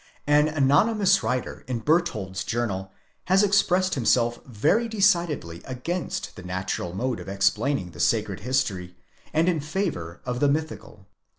An anonymous writer in Bertholdt's Journal has expressed himself very decidedly against the natural mode of explaining the sacred history, and in favour of the mythical.